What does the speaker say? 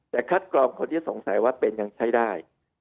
แต่คัดกรองคนที่สงสัยว่าเป็นยังใช้ได้